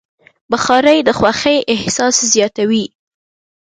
بخاري د خوښۍ احساس زیاتوي.